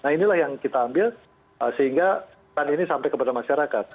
nah inilah yang kita ambil sehingga kan ini sampai kepada masyarakat